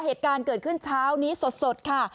เหตุการณ์เกิดขึ้นเช้านี้สดค่ะ